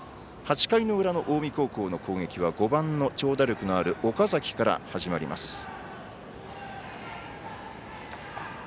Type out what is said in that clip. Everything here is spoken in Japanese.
８回の裏の近江高校の攻撃は５番の長打力のある岡崎から始まります。